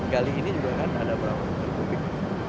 gali ini juga kan ada berapa juta kubik